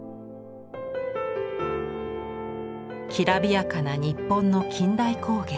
きらびやかな日本の近代工芸。